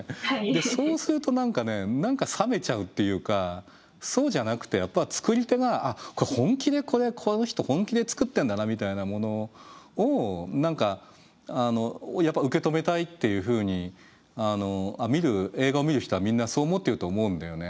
でそうすると何かね何か冷めちゃうっていうかそうじゃなくてやっぱ作り手が本気でこれこの人本気で作ってんだなみたいなものをやっぱ受け止めたいっていうふうに映画を見る人はみんなそう思ってると思うんだよね。